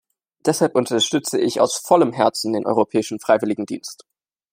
Deshalb unterstütze ich aus vollem Herzen den Europäischen Freiwilligendienst.